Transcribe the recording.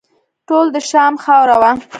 ټول د شام خاوره وه.